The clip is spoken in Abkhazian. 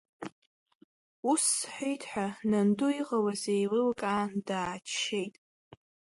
Ус сҳәеит ҳәа, нанду иҟалаз еилылкаан, дааччеит.